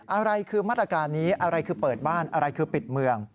อะไรคือมาตรการนี้อะไรคือเปิดบ้านอะไรคือปิดเมือง